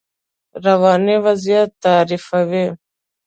رواني وضعیت تعریفوي.